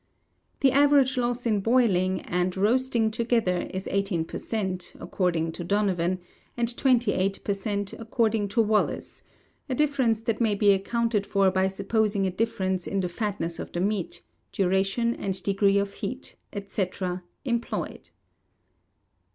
The average loss in boiling and and roasting together is 18 per cent. according to Donovan, and 28 per cent. according to Wallace a difference that may be accounted for by supposing a difference in the fatness of the meat, duration and degree of heat, &c., employed.